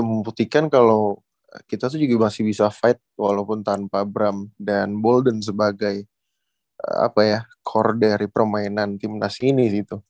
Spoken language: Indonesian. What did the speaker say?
membuktikan kalau kita tuh juga masih bisa fight walaupun tanpa bram dan golden sebagai core dari permainan timnas ini